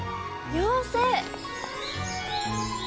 妖精！